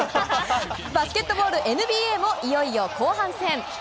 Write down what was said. バスケットボール、ＮＢＡもいよいよ後半戦。